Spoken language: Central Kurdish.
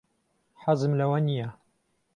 حەزم لەوە نییە.